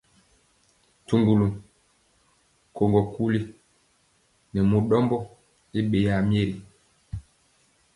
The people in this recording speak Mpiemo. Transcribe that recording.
Ntuŋgulu, kogo kuli nɛ mu ɗɔmbɔ i ɓeyaa myeri.